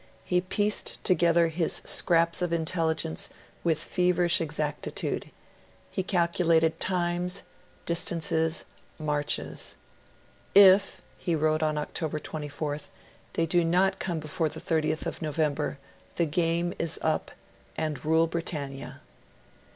He pieced together his scraps of intelligence with feverish exactitude; he calculated times, distances, marches. 'If,' he wrote on October 24th, they do not come before 30th November, the game is up, and Rule Britannia.'